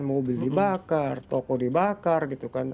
mobil dibakar toko dibakar gitu kan